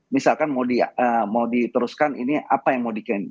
misalkan mau diteruskan ini apa yang mau di campaig